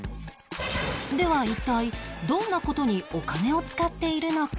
では一体どんな事にお金を使っているのか？